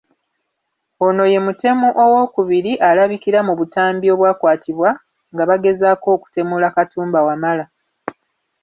Ono ye mutemu owookubiri alabikira mu butambi obwakwatibwa nga bagezaako okutemula Katumba Wamala.